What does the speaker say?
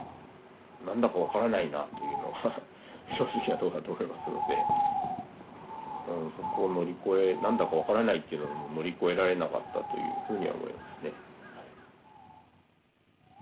何だか分からないなというのが正直なとこだと思いますのでそこを乗り越え何だか分からないっていうのも乗り越えられなかったというふうには思いますね。